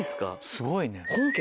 すごいね。